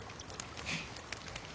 フッ。